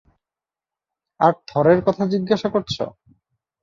আর থরের কথা জিজ্ঞেস করছ?